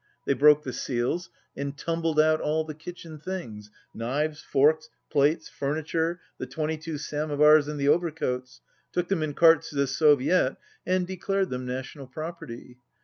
They broke the seals and tumbled out all the kitchen things, knives, forks, plates, furniture, the twenty two samovars and the overcoats, took them in carts to the Soviet and de clared them national property.